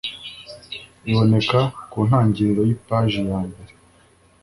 biboneka ku ntangiriro y’ipaji yambere